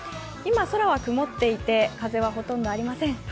今、空は曇っていて風はほとんどありません。